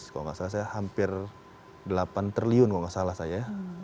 kalau nggak salah saya hampir delapan triliun kalau nggak salah saya